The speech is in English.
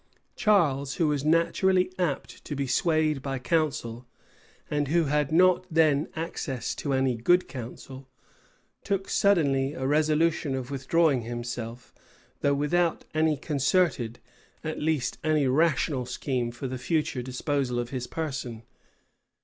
Charles, who was naturally apt to be swayed by counsel, and who had not then access to any good counsel, took suddenly a resolution of withdrawing himself, though without any concerted, at least, any rational scheme for the future disposal of his person.